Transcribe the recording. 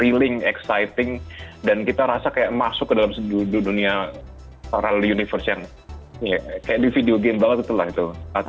riling exciting dan kita rasa kayak masuk ke dalam segi dunia para universe yang kayak di video game banget itulah itu